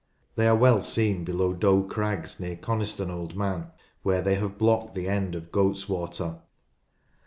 They are well seen below Doe Crags near Coniston Old Man, where they have blocked the end of Goats Water.